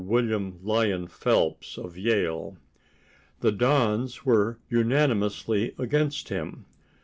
William Lyon Phelps, of Yale. The dons were unanimously against him.